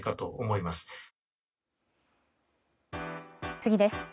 次です。